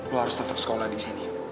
lo harus tetap sekolah disini